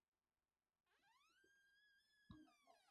滨海贝尔尼埃人口变化图示